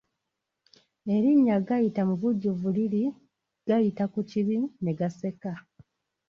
Erinnya Gayita mu bujjuvu liri Gayita ku kibi ne gaseka.